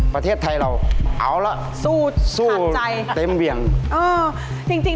ประเทศไทยเราเอาล่ะสู้หันใจเต็มเวียงอ๋อจริง